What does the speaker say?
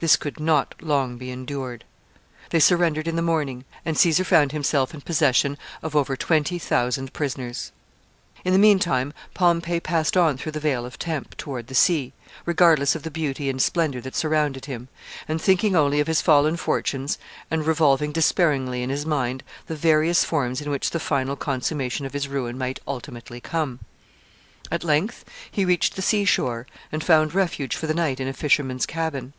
This could not long be endured. They surrendered in the morning, and Caesar found himself in possession of over twenty thousand prisoners. [Sidenote: Pompey in the Vale of Tempe.] In the mean time, Pompey passed on through the Vale of Tempe toward the sea, regardless of the beauty and splendor that surrounded him, and thinking only of his fallen fortunes, and revolving despairingly in his mind the various forms in which the final consummation of his ruin might ultimately come. At length he reached the sea shore, and found refuge for the night in a fisherman's cabin.